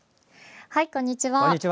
こんにちは。